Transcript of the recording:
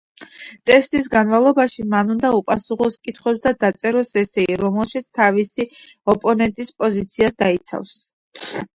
ტესტის განმავლობაში მან უნდა უპასუხოს კითხვებს და დაწეროს ესეი, რომელშიც თავისი ოპონენტის პოზიციას დაიცავს.